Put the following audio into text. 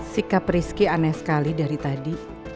sikap rizky aneh sekali dari tadi